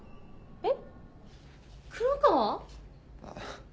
えっ？